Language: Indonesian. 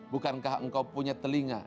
bukankah engkau punya telinga